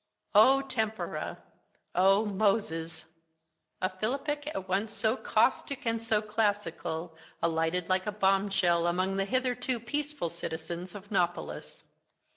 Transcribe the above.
Oh, tempora! Oh, Moses!' A philippic at once so caustic and so classical, alighted like a bombshell among the hitherto peaceful citizens of Nopolis.